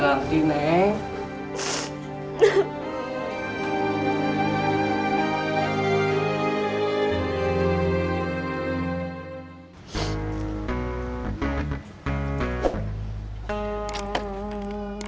selamat siang naya